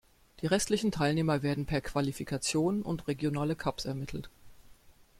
Die restlichen Teilnehmer werden per Qualifikation und regionale Cups ermittelt.